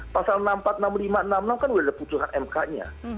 pasal enam puluh empat enam ribu lima ratus enam puluh enam kan sudah ada putusan mk nya